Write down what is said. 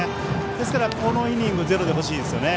ですから、このイニングゼロが欲しいですね。